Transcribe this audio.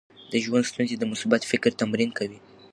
د ژوند ستونزې د مثبت فکر تمرین کوي.